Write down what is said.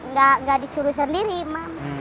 enggak disuruh sendiri emak